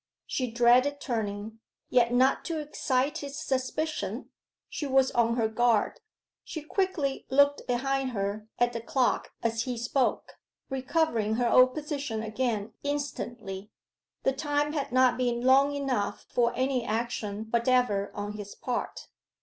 She dreaded turning, yet, not to excite his suspicion, she was on her guard; she quickly looked behind her at the clock as he spoke, recovering her old position again instantly. The time had not been long enough for any action whatever on his part.